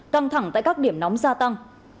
căng thẳng tại các điểm nóng gia tăng